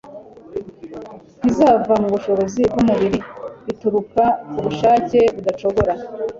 ntiziva mubushobozi bwumubiri. bituruka ku bushake budacogora